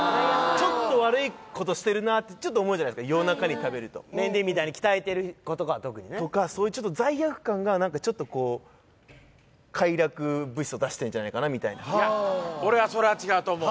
ちょっと悪いことしてるなってちょっと思うじゃないですか夜中に食べるとメンディーみたいに鍛えてる子は特にねとかそういう罪悪感が何かちょっとこう快楽物質を出してんじゃないかなみたいないや俺はそれは違うと思う